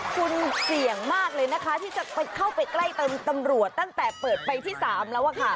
คุณเสี่ยงมากเลยนะคะที่จะเข้าไปใกล้เติมตำรวจตั้งแต่เปิดไปที่๓แล้วอะค่ะ